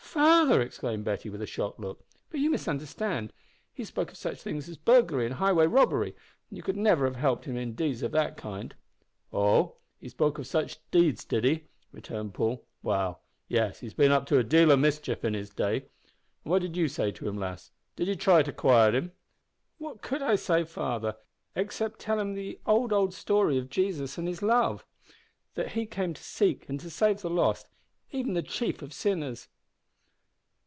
"Father!" exclaimed Betty, with a shocked look "but you misunderstand. He spoke of such things as burglary and highway robbery, and you could never have helped him in deeds of that kind." "Oh! he spoke of such things as these, did he?" returned Paul. "Well, yes, he's bin up to a deal of mischief in his day. And what did you say to him, lass? Did you try to quiet him?" "What could I say, father, except tell him the old, old story of Jesus and His love; that He came to seek and to save the lost, even the chief of sinners?"